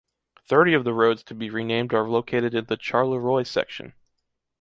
Thirty of the roads to be renamed are located in the Charleroi section.